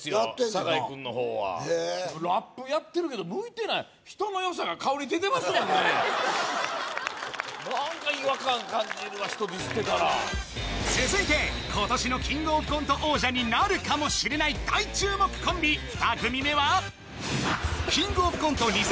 酒井君の方はラップやってるけど向いてない何か違和感感じるわ人ディスってたら続いて今年のキングオブコント王者になるかもしれない大注目コンビ２組目はキングオブコント２０１９